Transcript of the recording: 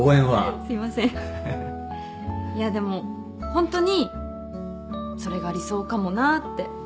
いやでもホントにそれが理想かもなって。